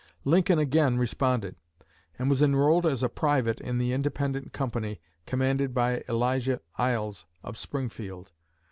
Lincoln again responded, and was enrolled as a private in the independent company commanded by Elijah Iles of Springfield.